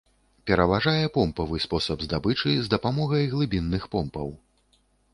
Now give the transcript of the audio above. Пераважае помпавы спосаб здабычы з дапамогай глыбінных помпаў.